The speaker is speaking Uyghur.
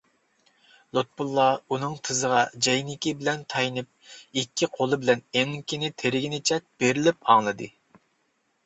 لۇتپۇللا ئۇنىڭ تىزىغا جەينىكى بىلەن تايىنىپ، ئىككى قولى بىلەن ئېڭىكىنى تىرىگىنىچە بېرىلىپ ئاڭلىدى.